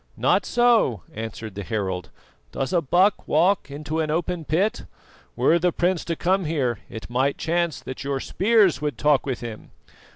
"Not so," answered the herald. "Does a buck walk into an open pit? Were the prince to come here it might chance that your spears would talk with him.